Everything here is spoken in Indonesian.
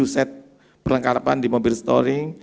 tujuh set perlengkarapan di mobil storing